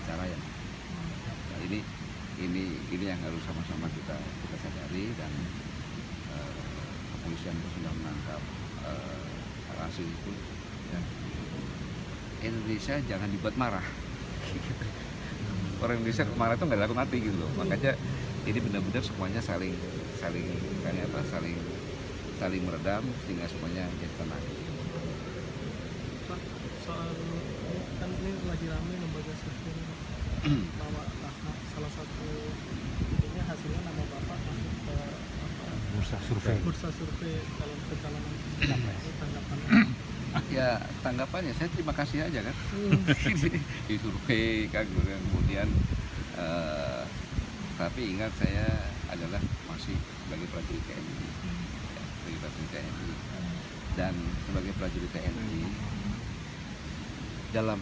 saya berkata menhan disampaikan bahwa tunggu saja